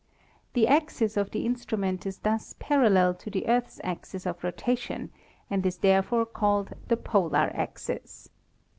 The axis of the instrument is thus parallel to the Earth's axis of rotation and is therefore called the polar axis.